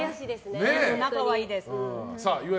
仲はいいです。